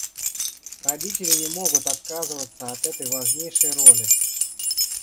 Родители не могут отказываться от этой важнейшей роли.